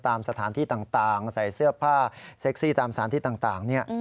ตามสถานที่ต่างใส่เสื้อผ้าเซ็กซี่ตามสารที่ต่าง